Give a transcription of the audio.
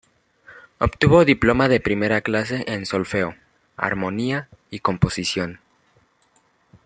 Obtuvo diploma de primera clase en solfeo, armonía y composición.